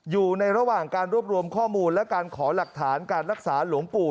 อยู่ในระหว่างการรวบรวมข้อมูลและการขอหลักฐานการรักษาหลวงปู่